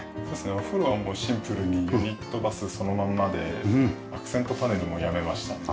お風呂はもうシンプルにユニットバスそのまんまでアクセントパネルもやめました。